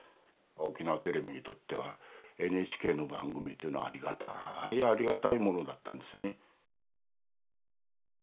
沖縄テレビにとってはＮＨＫの番組というのはありがたいありがたいものだったんですね。